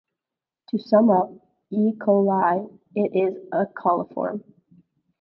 To sum up "E. coli", it is a coliform.